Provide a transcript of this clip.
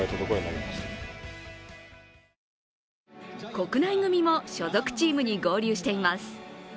国内組も所属チームに合流しています。